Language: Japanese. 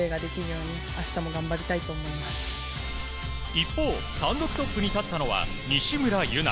一方、単独トップに立ったのは西村優菜。